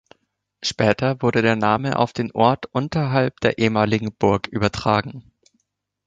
Später wurde der Name auf den Ort unterhalb der ehemaligen Burg übertragen.